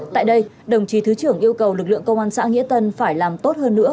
tại đây đồng chí thứ trưởng yêu cầu lực lượng công an xã nghĩa tân phải làm tốt hơn nữa